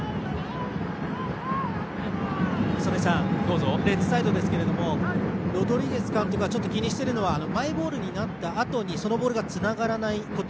曽根さん、レッズサイドですがロドリゲス監督がちょっと気にしているのはマイボールになったあとにそのボールがつながらないこと。